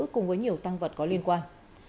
cùng với nhiều tăng vật có liên quan